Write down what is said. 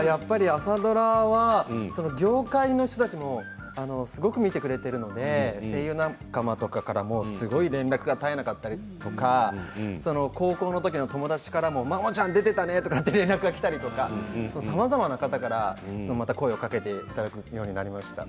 朝ドラは業界の方たちもすごく見てくれているので声優仲間とかからも、すごい連絡が絶えなかったりとか高校の時の友達からもマモちゃん、出てたねと連絡がきたりとかさまざまな方からまた声をかけていただくようになりました。